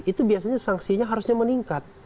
itu biasanya sanksinya harusnya meningkat